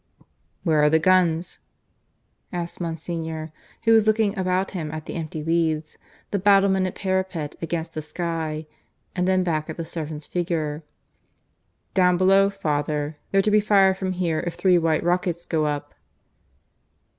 "Where are the guns?" asked Monsignor, who was looking about him, at the empty leads, the battlemented parapet against the sky, and then back at the servant's figure. "Down below, father. They're to be fired from here if three white rockets go up."